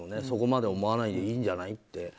そこまで思わないでいいんじゃないって。